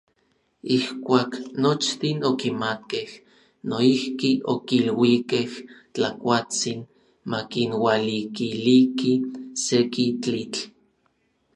Ijkuak nochtin okimatkej, noijki okiluikej Tlakuatsin makinualikiliki seki tlitl.